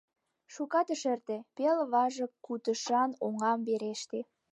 Шукат ыш эрте — пел важык кутышан оҥам вереште.